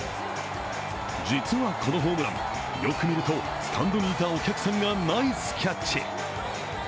実はこのホームラン、よく見るとスタンドにいたお客さんがナイスキャッチ。